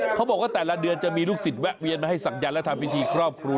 เขาบอกว่าแต่ละเดือนจะมีลูกศิษย์แวะเวียนมาให้ศักยันต์และทำพิธีครอบครัว